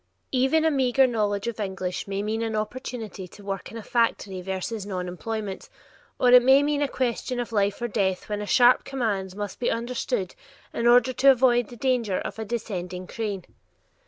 Even a meager knowledge of English may mean an opportunity to work in a factory versus nonemployment, or it may mean a question of life or death when a sharp command must be understood in order to avoid the danger of a descending crane.